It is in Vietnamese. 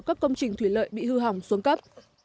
các công trình thủy lợi bị hư hỏng xuống cấp